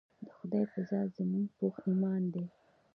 د خدائے پۀ ذات زمونږ پوخ ايمان دے